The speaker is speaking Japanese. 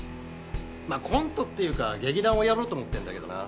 まあコントっていうか劇団をやろうと思ってんだけどな。